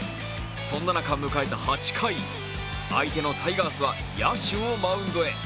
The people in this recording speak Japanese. そんな中迎えた８回、相手のタイガースは野手をマウンドへ。